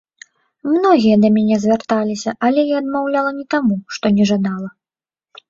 Многія да мяне звярталіся, але я адмаўляла не таму, што не жадала.